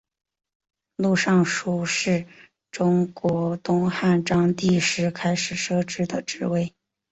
录尚书事是中国东汉章帝时开始设置的职位。